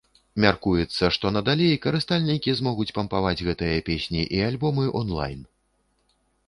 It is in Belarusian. Мяркуецца, што надалей карыстальнікі змогуць пампаваць гэтыя песні і альбомы онлайн.